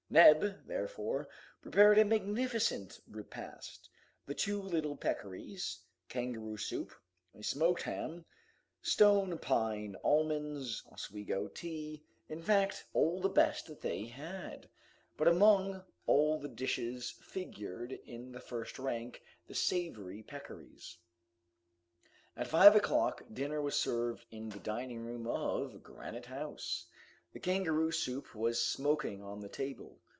Neb, therefore, prepared a magnificent repast the two little peccaries, kangaroo soup, a smoked ham, stone pine almonds, Oswego tea; in fact, all the best that they had, but among all the dishes figured in the first rank the savory peccaries. At five o'clock dinner was served in the dining room of Granite House. The kangaroo soup was smoking on the table.